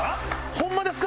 ホンマですか？